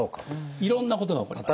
いろんなことが起こりますね。